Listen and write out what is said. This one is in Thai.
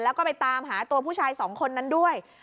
แล้วก็ไปตามหาตัวผู้ชายสองคนนั้นด้วย